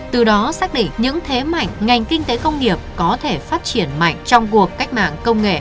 từ đó xác định những thế mạnh ngành kinh tế công nghiệp có thể phát triển mạnh trong cuộc cách mạng công nghệ